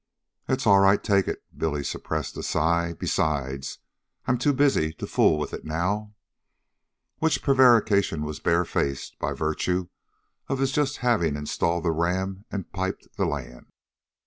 "It's all right, take it." Billy suppressed a sigh. "Besides, I 'm too busy to fool with it now." Which prevarication was bare faced, by virtue of his having just installed the ram and piped the land.